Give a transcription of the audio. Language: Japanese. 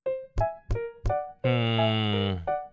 うん。